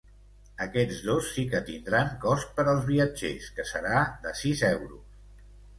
Aquests dos sí que tindran cost per als viatgers, que serà de sis euros.